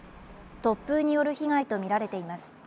突風による被害とみられています。